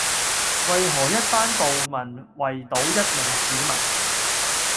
為何一班暴民圍堵一名市民